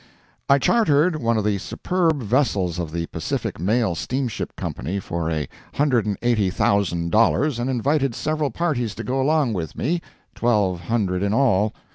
I chartered one of the superb vessels of the Pacific Mail Steamship Company for a hundred and eighty thousand dollars, and invited several parties to go along with me, twelve hundred in all.